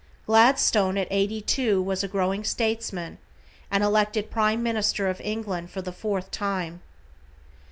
Gladstone at eighty two was a growing statesman, and elected prime minister of England for the fourth time.